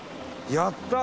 やったー！